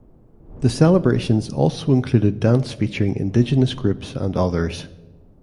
The celebrations also included dance featuring indigenous groups and others.